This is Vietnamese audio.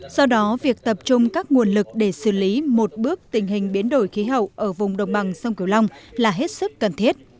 do đó việc tập trung các nguồn lực để xử lý một bước tình hình biến đổi khí hậu ở vùng đồng bằng sông cửu long là hết sức cần thiết